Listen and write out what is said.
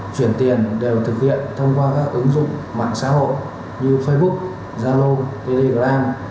chuyển tiền đều thực hiện thông qua các ứng dụng mạng xã hội như facebook zalo telegram